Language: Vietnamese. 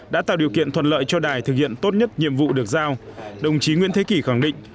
đã tạo điều kiện thuận lợi cho đài thực hiện tốt nhất nhiệm vụ được giao đồng chí nguyễn thế kỷ khẳng định